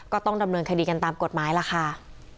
ก็ต้องดำเนินคดีกันตามกฎหมายล่ะค่ะ